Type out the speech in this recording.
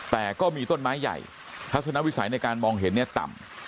แต่ก็มีต้นไม้ใหญ่ทัศนวิสัยในการมองเห็นเนี่ยต่ำ